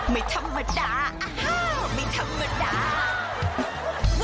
ไม่ธรรมดาอ้าวไม่ธรรมดา